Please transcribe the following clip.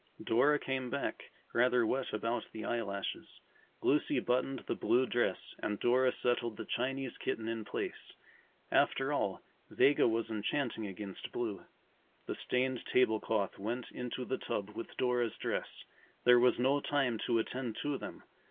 Dora came back, rather wet about the eyelashes. Lucy buttoned the blue dress and Dora settled the Chinese kitten in place. After all, Vega was enchanting against blue. The stained table cloth went into the tub with Dora's dress. There was no time to attend to them.